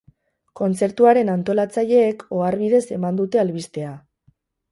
Kontzertuaren antolatzaileek ohar bidez eman dute albistea.